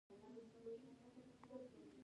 د فراکچر هډوکی ماتېدل دي.